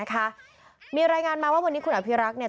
นักคอนบาลนะคะมีรายงานมาว่าวันนี้คุณอภิรักษ์เนี่ย